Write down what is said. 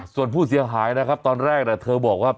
ส่วนผู้เสียหายนะครับตอนแรกเธอบอกว่า